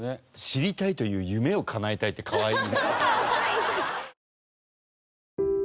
「知りたいという夢をかなえたい」ってかわいい。